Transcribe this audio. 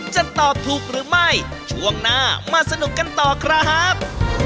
จะตอบถูกหรือไม่ช่วงหน้ามาสนุกกันต่อครับ